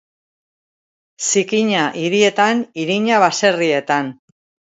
Zikina hirietan, irina baserrietan.